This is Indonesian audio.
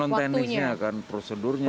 non teknisnya kan prosedurnya